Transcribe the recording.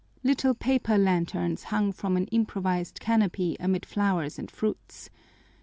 Little paper lanterns hung from an improvised canopy amid flowers and fruits.